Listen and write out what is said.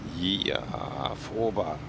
４オーバー。